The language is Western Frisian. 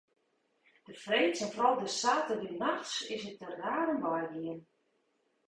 De freeds en foaral de saterdeitenachts is it der raar om wei gien.